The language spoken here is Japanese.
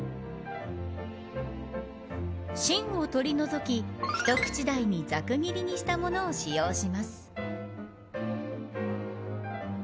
芯を取り除き一口大にざく切りにしたものを使用します。